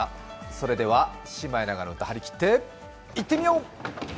それでは「シマエナガの歌」張り切っていってみよう！